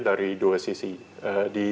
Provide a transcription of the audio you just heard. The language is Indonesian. dari dua sisi di